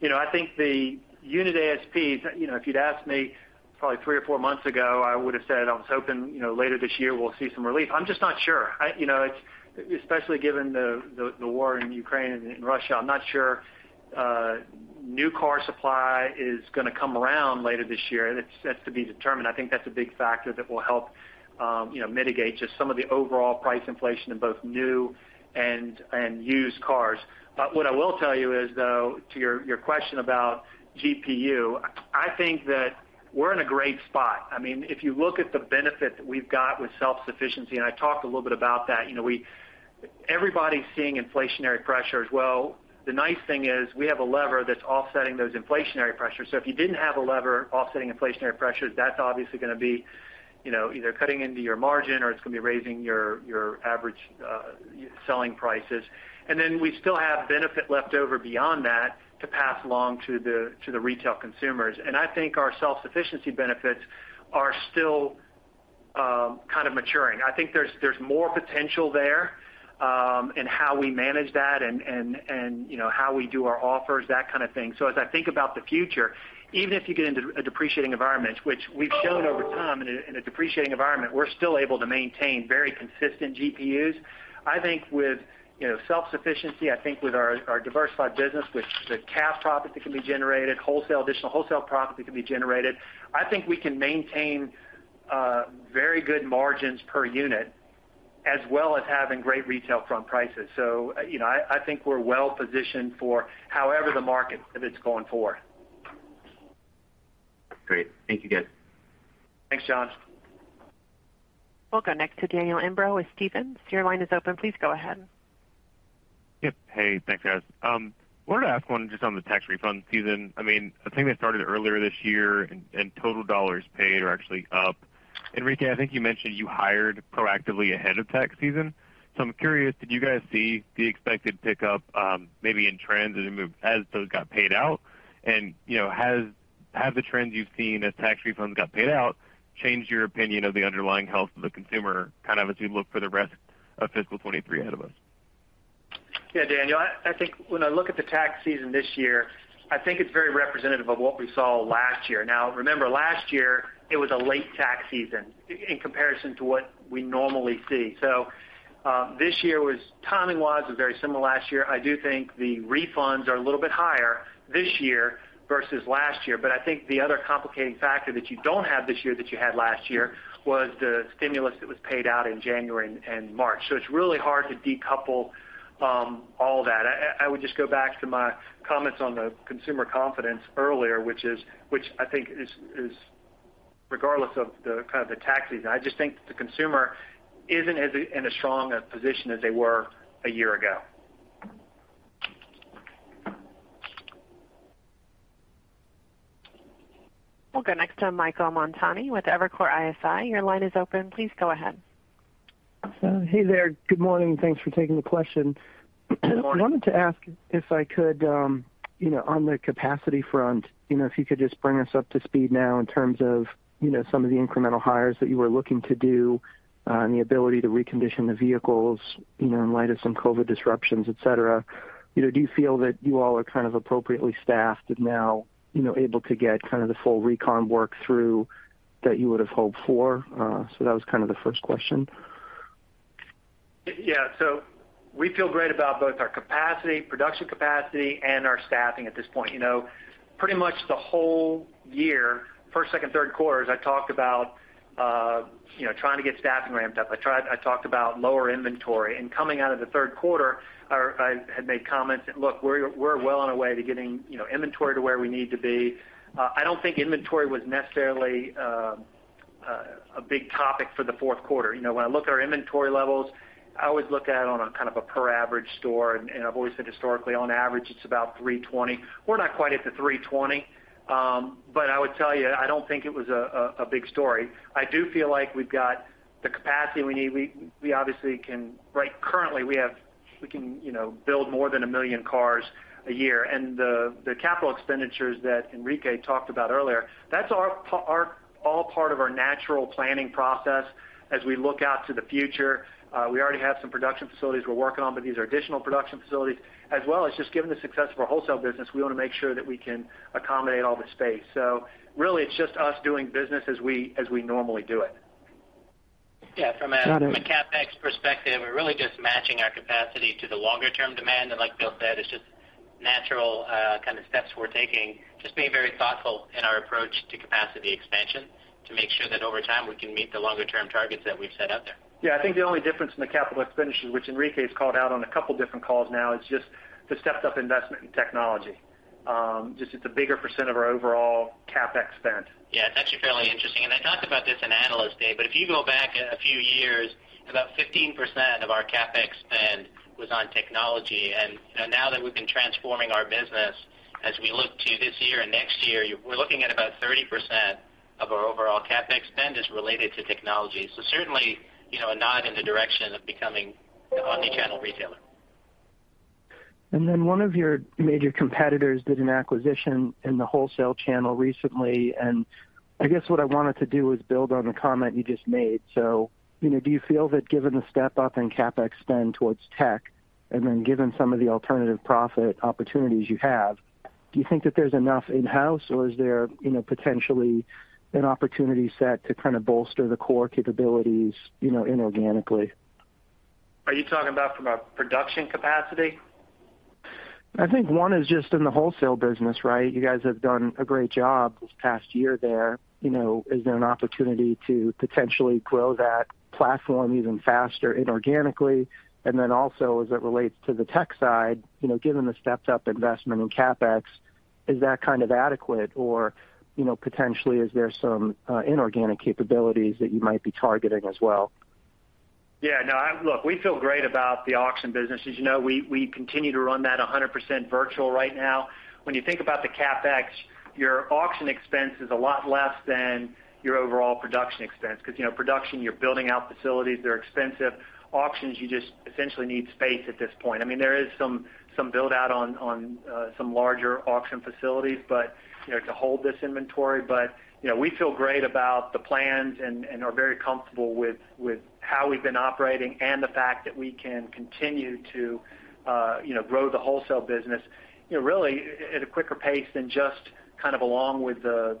You know, I think the unit ASPs, you know, if you'd asked me probably three or four months ago, I would've said I was hoping, you know, later this year we'll see some relief. I'm just not sure. You know, it's especially given the war in Ukraine and Russia, I'm not sure new car supply is gonna come around later this year. That's to be determined. I think that's a big factor that will help, you know, mitigate just some of the overall price inflation in both new and used cars. What I will tell you is though, to your question about GPU, I think that we're in a great spot. I mean, if you look at the benefit that we've got with self-sufficiency, and I talked a little bit about that, you know, everybody's seeing inflationary pressures. Well, the nice thing is we have a lever that's offsetting those inflationary pressures. If you didn't have a lever offsetting inflationary pressures, that's obviously gonna be, you know, either cutting into your margin or it's gonna be raising your average selling prices. Then we still have benefit left over beyond that to pass along to the retail consumers. I think our self-sufficiency benefits are still kind of maturing. I think there's more potential there in how we manage that and, you know, how we do our offers, that kind of thing. As I think about the future, even if you get into a depreciating environment, which we've shown over time in a depreciating environment, we're still able to maintain very consistent GPUs. I think with self-sufficiency, I think with our diversified business, with the cash profit that can be generated wholesale, additional wholesale profit that can be generated, I think we can maintain very good margins per unit as well as having great retail front prices. You know, I think we're well positioned for however the market pivots going forward. Great. Thank you, guys. Thanks, John. We'll go next to Daniel Imbro with Stephens. Your line is open. Please go ahead. Yep. Hey, thanks, guys. Wanted to ask one just on the tax refund season. I mean, I think they started earlier this year and total dollars paid are actually up. Enrique, I think you mentioned you hired proactively ahead of tax season. So I'm curious, did you guys see the expected pickup, maybe in trends as those got paid out? You know, have the trends you've seen as tax refunds got paid out changed your opinion of the underlying health of the consumer kind of as you look for the rest of fiscal 2023 ahead of us? Yeah, Daniel, I think when I look at the tax season this year, I think it's very representative of what we saw last year. Now, remember last year it was a late tax season in comparison to what we normally see. This year was timing-wise very similar to last year. I do think the refunds are a little bit higher this year versus last year. But I think the other complicating factor that you don't have this year that you had last year was the stimulus that was paid out in January and March. It's really hard to decouple all that. I would just go back to my comments on the consumer confidence earlier, which I think is regardless of the kind of tax season. I just think the consumer isn't in as strong a position as they were a year ago. We'll go next to Michael Montani with Evercore ISI. Your line is open. Please go ahead. Hey there. Good morning. Thanks for taking the question. Good morning. I wanted to ask if I could, you know, on the capacity front, you know, if you could just bring us up to speed now in terms of, you know, some of the incremental hires that you were looking to do, and the ability to recondition the vehicles, you know, in light of some COVID disruptions, et cetera. You know, do you feel that you all are kind of appropriately staffed and now, you know, able to get kind of the full recon work through that you would've hoped for? That was kind of the first question. Yeah. We feel great about both our capacity, production capacity and our staffing at this point. You know, pretty much the whole year, first, second, third quarters, I talked about you know, trying to get staffing ramped up. I talked about lower inventory. Coming out of the third quarter, I had made comments that, look, we're well on our way to getting, you know, inventory to where we need to be. I don't think inventory was necessarily a big topic for the fourth quarter. You know, when I look at our inventory levels, I always look at it on a kind of a per average store, and I've always said historically on average it's about 320. We're not quite at the 320, but I would tell you I don't think it was a big story. I do feel like we've got the capacity we need. We obviously can right now. Currently, we can, you know, build more than 1 million cars a year. The capital expenditures that Enrique talked about earlier, that's all part of our natural planning process as we look out to the future. We already have some production facilities we're working on, but these are additional production facilities. As well as just given the success of our wholesale business, we wanna make sure that we can accommodate all the space. Really it's just us doing business as we normally do it. Got it. Yeah, from a CapEx perspective, we're really just matching our capacity to the longer term demand. Like Bill said, it's just natural kind of steps we're taking, just being very thoughtful in our approach to capacity expansion to make sure that over time we can meet the longer term targets that we've set out there. Yeah. I think the only difference in the capital expenditures, which Enrique's called out on a couple different calls now, is just the stepped up investment in technology. Just it's a bigger percent of our overall CapEx spend. Yeah, it's actually fairly interesting. I talked about this in Analyst Day, but if you go back a few years, about 15% of our CapEx spend was on technology. You know, now that we've been transforming our business, as we look to this year and next year, we're looking at about 30% of our overall CapEx is related to technologies. Certainly, you know, a nod in the direction of becoming an omni-channel retailer. One of your major competitors did an acquisition in the wholesale channel recently. I guess what I wanted to do was build on the comment you just made. You know, do you feel that given the step up in CapEx spend towards tech, and then given some of the alternative profit opportunities you have, do you think that there's enough in-house or is there, you know, potentially an opportunity set to kind of bolster the core capabilities, you know, inorganically? Are you talking about from a production capacity? I think one is just in the wholesale business, right? You guys have done a great job this past year there. You know, is there an opportunity to potentially grow that platform even faster inorganically? And then also, as it relates to the tech side, you know, given the stepped up investment in CapEx, is that kind of adequate or, you know, potentially is there some, inorganic capabilities that you might be targeting as well? Yeah, no, look, we feel great about the auction business. As you know, we continue to run that 100% virtual right now. When you think about the CapEx, your auction expense is a lot less than your overall production expense because, you know, production, you're building out facilities, they're expensive. Auctions, you just essentially need space at this point. I mean, there is some build out on some larger auction facilities, but, you know, to hold this inventory. You know, we feel great about the plans and are very comfortable with how we've been operating and the fact that we can continue to, you know, grow the wholesale business, you know, really at a quicker pace than just kind of along with the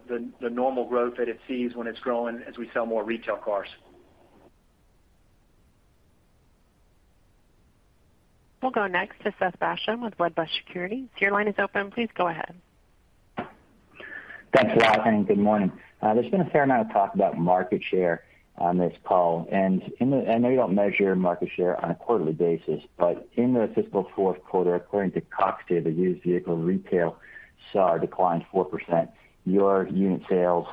normal growth that it sees when it's growing as we sell more retail cars. We'll go next to Seth Basham with Wedbush Securities. Your line is open. Please go ahead. Thanks a lot, and good morning. There's been a fair amount of talk about market share on this call. I know you don't measure market share on a quarterly basis, but in the fiscal fourth quarter, according to Cox data, used vehicle retail saw a decline of 4%. Your unit sales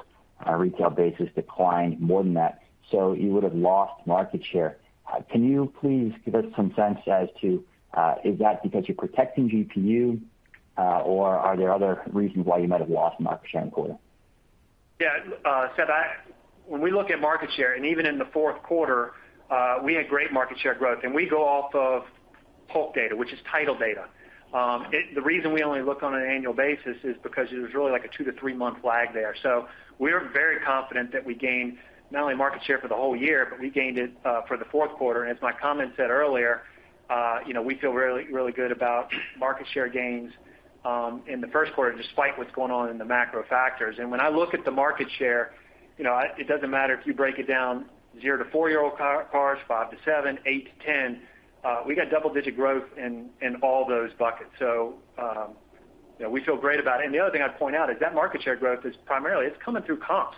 on a retail basis declined more than that. You would have lost market share. Can you please give us some sense as to is that because you're protecting GPU, or are there other reasons why you might have lost market share in the quarter? Yeah. Seth, when we look at market share, and even in the fourth quarter, we had great market share growth, and we go off of Polk data, which is title data. The reason we only look on an annual basis is because there's really like a 2- to 3-month lag there. We're very confident that we gained not only market share for the whole year, but we gained it for the fourth quarter. As my comment said earlier, you know, we feel really good about market share gains in the first quarter despite what's going on in the macro factors. When I look at the market share, you know, it doesn't matter if you break it down 0- to 4-year-old cars, 5- to 7-, 8- to 10-, we got double-digit growth in all those buckets. You know, we feel great about it. The other thing I'd point out is that market share growth is primarily, it's coming through comps.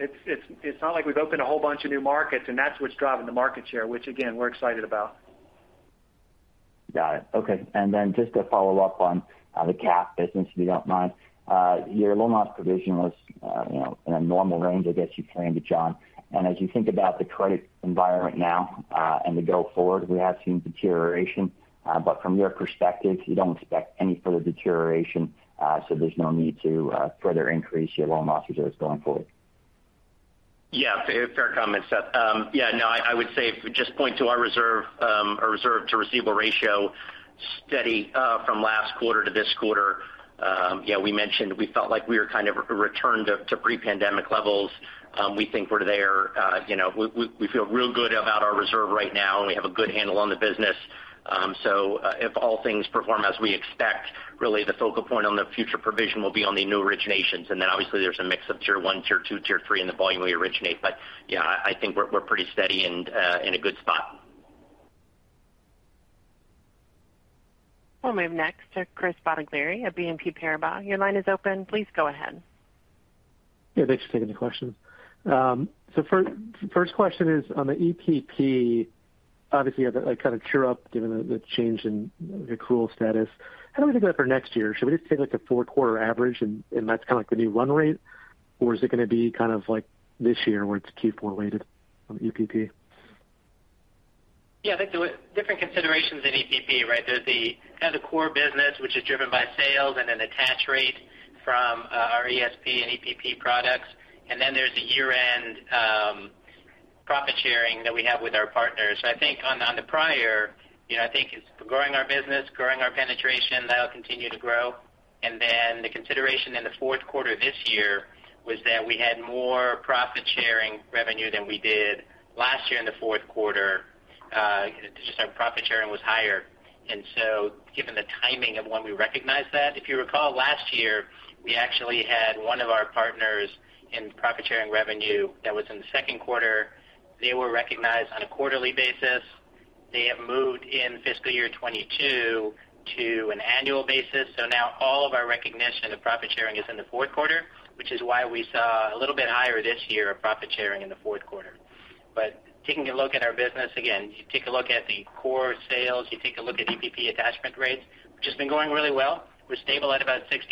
It's not like we've opened a whole bunch of new markets, and that's what's driving the market share, which again, we're excited about. Got it. Okay. Just to follow up on the CAF business, if you don't mind. Your loan loss provision was, you know, in a normal range, I guess you framed it, John. As you think about the credit environment now and to go forward, we have seen deterioration. From your perspective, you don't expect any further deterioration, so there's no need to further increase your loan loss reserves going forward. Yeah, fair comment, Seth. Yeah, no, I would say if we just point to our reserve, our reserve to receivable ratio steady from last quarter to this quarter. You know, we mentioned we felt like we were kind of returned to pre-pandemic levels. We think we're there. You know, we feel real good about our reserve right now, and we have a good handle on the business. If all things perform as we expect, really the focal point on the future provision will be on the new originations. Then obviously there's a mix of tier one, tier two, tier three in the volume we originate. Yeah, I think we're pretty steady and in a good spot. We'll move next to Chris Bottiglieri at BNP Paribas. Your line is open. Please go ahead. Yeah, thanks for taking the questions. So first question is on the EPP. Obviously you have a kind of catch-up given the change in accrual status. How do we think about it for next year? Should we just take like a four-quarter average and that's kind of like the new run rate? Or is it going to be kind of like this year where it's Q4 weighted on the EPP? Yeah, I think there were different considerations in EPP, right? There's the kind of the core business, which is driven by sales and an attach rate from our ESP and EPP products. There's the year-end profit sharing that we have with our partners. I think on the prior, you know, I think it's growing our business, growing our penetration, that'll continue to grow. The consideration in the fourth quarter this year was that we had more profit sharing revenue than we did last year in the fourth quarter. Just our profit sharing was higher. Given the timing of when we recognized that, if you recall last year, we actually had one of our partners in profit sharing revenue that was in the second quarter. They were recognized on a quarterly basis. They have moved in fiscal year 2022 to an annual basis. Now all of our recognition of profit sharing is in the fourth quarter, which is why we saw a little bit higher this year of profit sharing in the fourth quarter. Taking a look at our business, again, you take a look at the core sales, you take a look at EPP attachment rates, which has been going really well. We're stable at about 60%.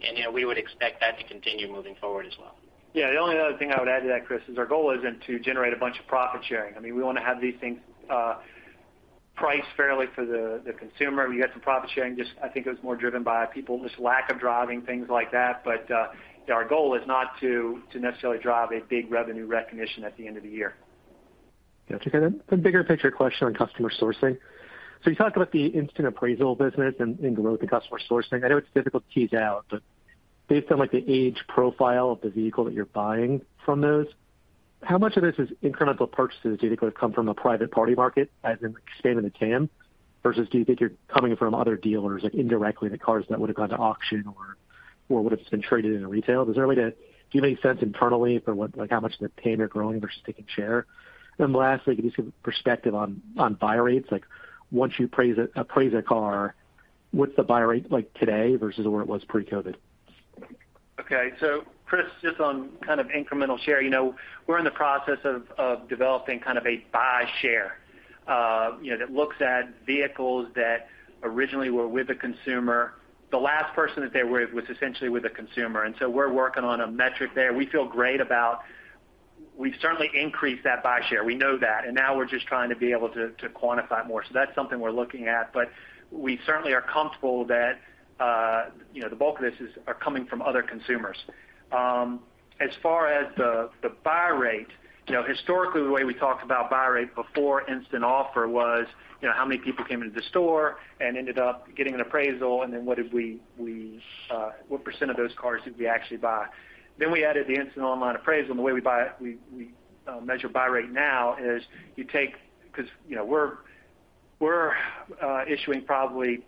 You know, we would expect that to continue moving forward as well. Yeah. The only other thing I would add to that, Chris, is our goal isn't to generate a bunch of profit sharing. I mean, we want to have these things priced fairly for the consumer. We had some profit sharing, just I think it was more driven by people, just lack of driving, things like that. Our goal is not to necessarily drive a big revenue recognition at the end of the year. Yeah. Okay. A bigger picture question on customer sourcing. You talked about the instant appraisal business and growth in customer sourcing. I know it's difficult to tease out, but based on, like, the age profile of the vehicle that you're buying from those, how much of this is incremental purchases do you think would have come from a private party market as in the state of the TAM? Versus do you think you're coming from other dealers, like indirectly, the cars that would have gone to auction or would have been traded into retail? Is there a way to give any sense internally for what, like how much of the TAM you're growing versus taking share? Lastly, can you give perspective on buy rates? Like once you appraise a car, what's the buy rate like today versus where it was pre-COVID? Okay. Chris, just on kind of incremental share. You know, we're in the process of developing kind of a buy share, you know, that looks at vehicles that originally were with a consumer. The last person that they were with was essentially with a consumer. We're working on a metric there. We feel great about. We've certainly increased that buy share. We know that. Now we're just trying to be able to quantify more. That's something we're looking at. We certainly are comfortable that, you know, the bulk of this are coming from other consumers. As far as the buy rate, you know, historically, the way we talked about buy rate before instant offer was, you know, how many people came into the store and ended up getting an appraisal, and then what percent of those cars did we actually buy. Then we added the instant online appraisal. The way we measure buy rate now is you take... 'Cause, you know, we're issuing probably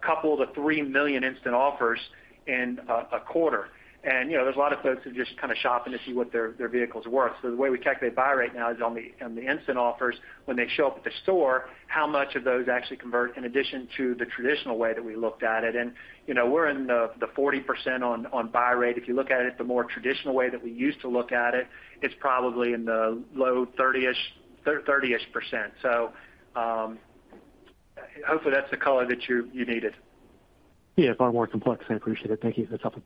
2 to 3 million instant offers in a quarter. You know, there's a lot of folks who just kinda shopping to see what their vehicle's worth. The way we calculate buy rate now is on the instant offers when they show up at the store, how much of those actually convert in addition to the traditional way that we looked at it. You know, we're in the 40% on buy rate. If you look at it the more traditional way that we used to look at it's probably in the low 30%-ish. Hopefully that's the color that you needed. Yeah. It's a lot more complex. I appreciate it. Thank you. That's helpful.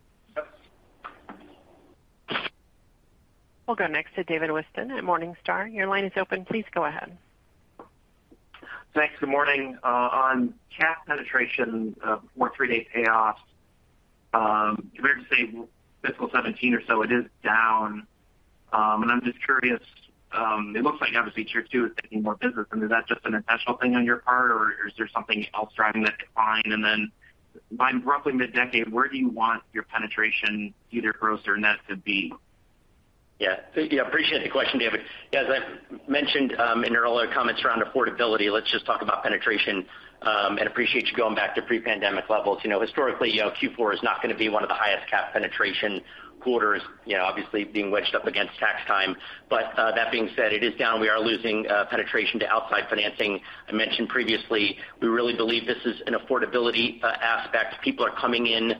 Yep. We'll go next to David Whiston at Morningstar. Your line is open. Please go ahead. Thanks. Good morning. On CAF penetration for three-day payoffs compared to say fiscal 2017 or so it is down. I'm just curious. It looks like obviously tier two is taking more business. Is that just an intentional thing on your part or is there something else driving that decline? By roughly mid-decade where do you want your penetration either gross or net to be? Yeah. Thank you. I appreciate the question, David. As I mentioned, in your earlier comments around affordability, let's just talk about penetration, and appreciate you going back to pre-pandemic levels. You know, historically, you know, Q4 is not gonna be one of the highest CAF penetration quarters, you know, obviously being wedged up against tax time. That being said, it is down. We are losing penetration to outside financing. I mentioned previously, we really believe this is an affordability aspect. People are coming in,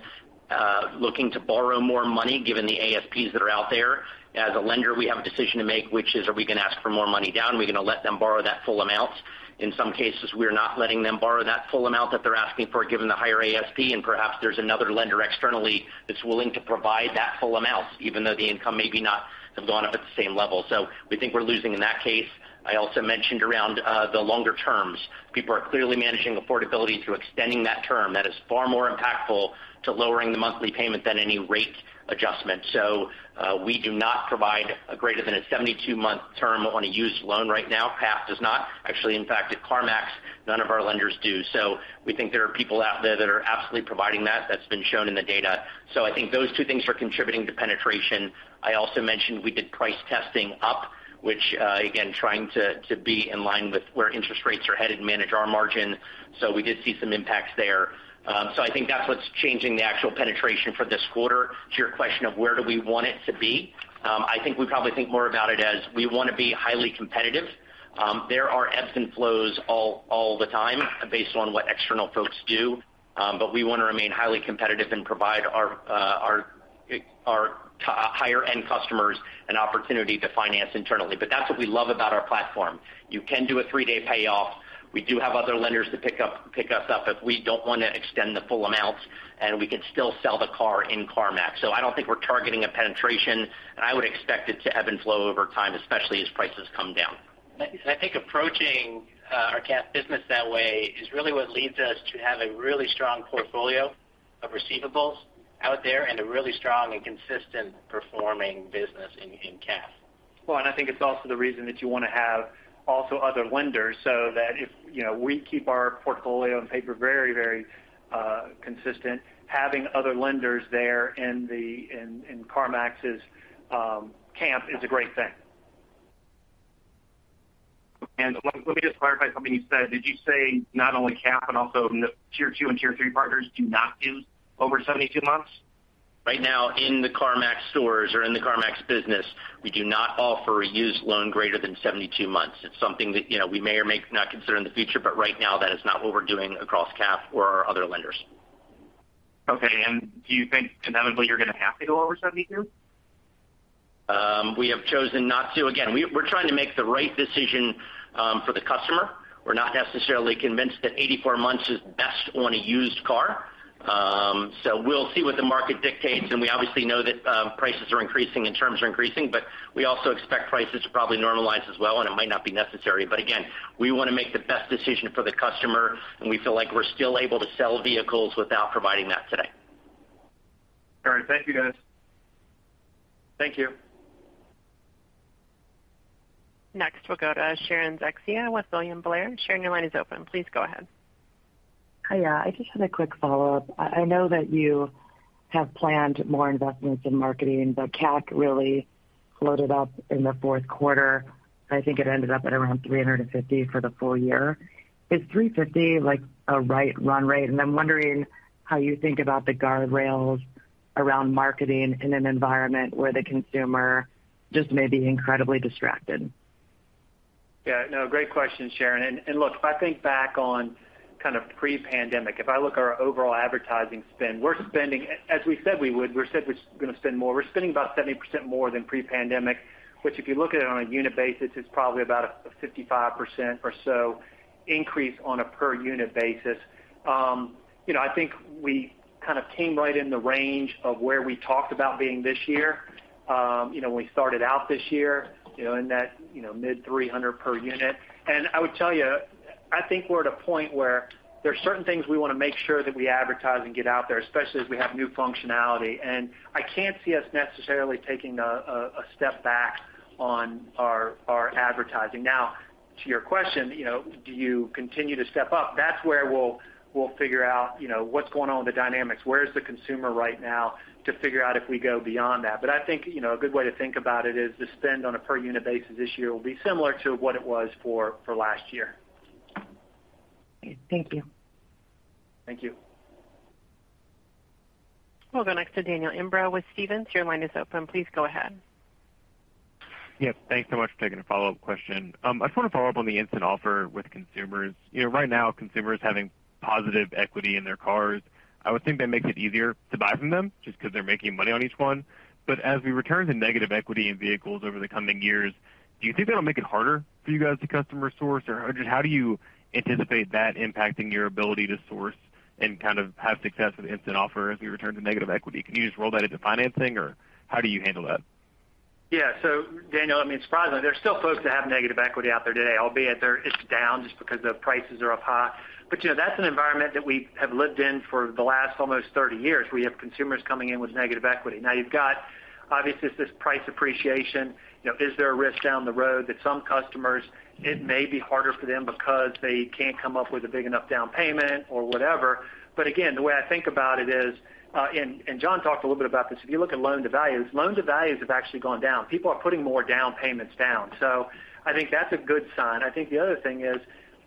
looking to borrow more money given the ASPs that are out there. As a lender, we have a decision to make, which is, are we gonna ask for more money down? Are we gonna let them borrow that full amount? In some cases, we're not letting them borrow that full amount that they're asking for, given the higher ASP. Perhaps there's another lender externally that's willing to provide that full amount, even though the income maybe not have gone up at the same level. We think we're losing in that case. I also mentioned around the longer terms. People are clearly managing affordability through extending that term. That is far more impactful to lowering the monthly payment than any rate adjustment. We do not provide greater than a 72-month term on a used loan right now. CAF does not. Actually, in fact, at CarMax, none of our lenders do. We think there are people out there that are absolutely providing that. That's been shown in the data. I think those two things are contributing to penetration. I also mentioned we did price testing up, which, again, trying to be in line with where interest rates are headed and manage our margin. We did see some impacts there. I think that's what's changing the actual penetration for this quarter. To your question of where do we want it to be? I think we probably think more about it as we wanna be highly competitive. There are ebbs and flows all the time based on what external folks do. We wanna remain highly competitive and provide our higher-end customers an opportunity to finance internally. That's what we love about our platform. You can do a three-day payoff. We do have other lenders to pick us up if we don't wanna extend the full amount, and we can still sell the car in CarMax. I don't think we're targeting a penetration, and I would expect it to ebb and flow over time, especially as prices come down. I think approaching our CAF business that way is really what leads us to have a really strong portfolio of receivables out there and a really strong and consistent performing business in CAF. Well, I think it's also the reason that you wanna have also other lenders so that if, you know, we keep our portfolio on paper very consistent, having other lenders there in CarMax's camp is a great thing. Let me just clarify something you said. Did you say not only CAF, but also tier two and tier three partners do not do over 72 months? Right now in the CarMax stores or in the CarMax business, we do not offer a used loan greater than 72 months. It's something that, you know, we may or may not consider in the future, but right now that is not what we're doing across CAF or our other lenders. Okay. Do you think inevitably you're gonna have to go over 72? We have chosen not to. Again, we're trying to make the right decision for the customer. We're not necessarily convinced that 84 months is best on a used car. We'll see what the market dictates. We obviously know that prices are increasing and terms are increasing, but we also expect prices to probably normalize as well, and it might not be necessary. Again, we wanna make the best decision for the customer, and we feel like we're still able to sell vehicles without providing that today. All right. Thank you, guys. Thank you. Next we'll go to Sharon Zackfia with William Blair. Sharon, your line is open. Please go ahead. Hi. I just had a quick follow up. I know that you have planned more investments in marketing, but CAC really loaded up in the fourth quarter. I think it ended up at around $350 for the full year. Is $350 like a right run rate? I'm wondering how you think about the guardrails around marketing in an environment where the consumer just may be incredibly distracted? Yeah, no, great question, Sharon. Look, if I think back on kind of pre-pandemic, if I look at our overall advertising spend, we're spending, as we said we would. We said we're gonna spend more. We're spending about 70% more than pre-pandemic, which if you look at it on a unit basis, is probably about a 55% or so increase on a per unit basis. You know, I think we kind of came right in the range of where we talked about being this year. You know, when we started out this year, you know, in that, you know, mid-$300 per unit. I would tell you, I think we're at a point where there are certain things we wanna make sure that we advertise and get out there, especially as we have new functionality. I can't see us necessarily taking a step back on our advertising. Now, to your question, you know, do you continue to step up? That's where we'll figure out, you know, what's going on with the dynamics. Where's the consumer right now to figure out if we go beyond that. But I think, you know, a good way to think about it is the spend on a per unit basis this year will be similar to what it was for last year. Thank you. Thank you. We'll go next to Daniel Imbro with Stephens. Your line is open. Please go ahead. Yes, thanks so much for taking a follow up question. I just wanna follow up on the instant offer with consumers. You know, right now, consumers having positive equity in their cars, I would think that makes it easier to buy from them just 'cause they're making money on each one. But as we return to negative equity in vehicles over the coming years, do you think that'll make it harder for you guys to customer source? Or just how do you anticipate that impacting your ability to source and kind of have success with instant offer as we return to negative equity? Can you just roll that into financing or how do you handle that? Daniel, I mean, surprisingly, there's still folks that have negative equity out there today, albeit they're, it's down just because the prices are up high. You know, that's an environment that we have lived in for the last almost 30 years. We have consumers coming in with negative equity. Now you've got, obviously, it's this price appreciation. You know, is there a risk down the road that some customers, it may be harder for them because they can't come up with a big enough down payment or whatever? Again, the way I think about it is, and John talked a little bit about this. If you look at loan devalues, loan devalues have actually gone down. People are putting more down payments down. I think that's a good sign. I think the other thing is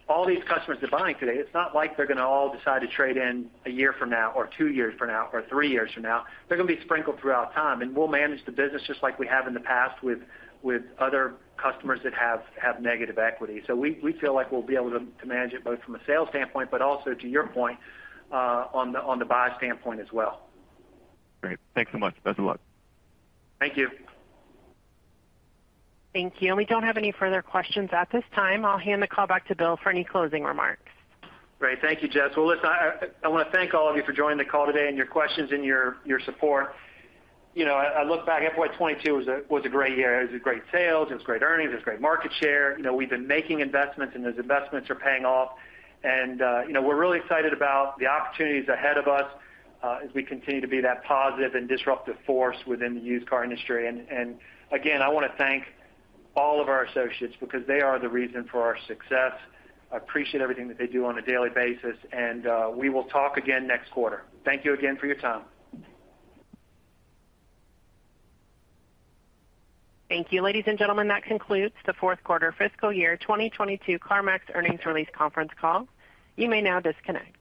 all these customers are buying today. It's not like they're gonna all decide to trade in a year from now or two years from now or three years from now. They're gonna be sprinkled throughout time, and we'll manage the business just like we have in the past with other customers that have negative equity. We feel like we'll be able to manage it both from a sales standpoint, but also to your point, on the buy standpoint as well. Great. Thanks so much. Best of luck. Thank you. Thank you. We don't have any further questions at this time. I'll hand the call back to Bill for any closing remarks. Great. Thank you, Jess. Listen, I wanna thank all of you for joining the call today and your questions and your support. You know, I look back at what 2022 was, a great year. It was a great sales, it was great earnings, it was great market share. You know, we've been making investments, and those investments are paying off. You know, we're really excited about the opportunities ahead of us, as we continue to be that positive and disruptive force within the used car industry. Again, I wanna thank all of our associates because they are the reason for our success. I appreciate everything that they do on a daily basis, and we will talk again next quarter. Thank you again for your time. Thank you, ladies and gentlemen. That concludes the Fourth Quarter Fiscal Year 2022 CarMax Earnings Release Conference Call. You may now disconnect.